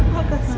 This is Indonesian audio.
makasih ya dok